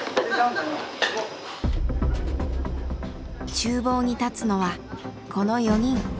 ちゅう房に立つのはこの４人。